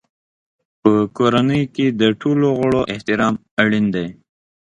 په کورنۍ کې د ټولو غړو احترام اړین دی.